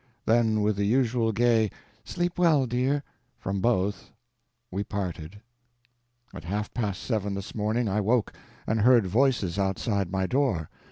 Then with the usual gay "Sleep well, dear!" from both, we parted. At half past seven this morning I woke, and heard voices outside my door.